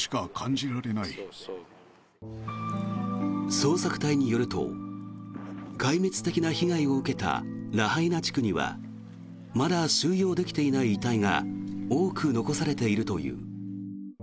捜索隊によると壊滅的な被害を受けたラハイナ地区にはまだ収容できていない遺体が多く残されているという。